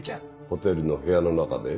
ホテルの部屋の中で？